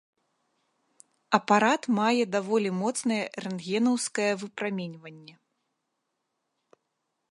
Апарат мае даволі моцнае рэнтгенаўскае выпраменьванне.